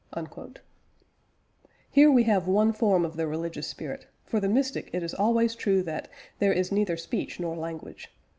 " Here we have one form of the religious spirit; for the mystic it is always true that "there is neither speech nor language."